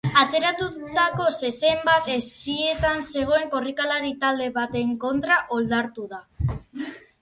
Atzeratutako zezen bat hesietan zegoen korrikalari talde baten kontra oldartu da.